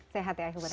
sehat ya ahilman ya